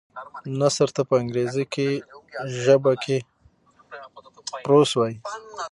نثر ته په انګريزي ژبه کي Prose وايي.